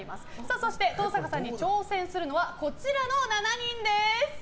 そして、登坂さんに挑戦するのはこちらの７人です。